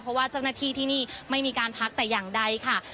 เพราะว่าเจ้าหน้าที่ที่นี่ไม่มีการพักแต่อย่างใดค่ะ